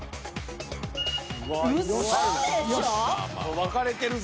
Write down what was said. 分かれてるぞ。